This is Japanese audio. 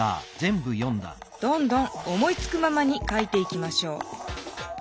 どんどん思いつくままに書いていきましょう。